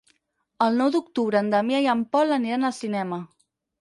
El nou d'octubre en Damià i en Pol aniran al cinema.